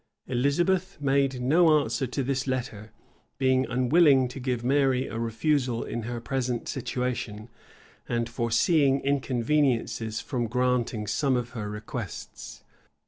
[*] Elizabeth made no answer to this letter; being unwilling to give Mary a refusal in her present situation, and foreseeing inconveniencies from granting some of her requests.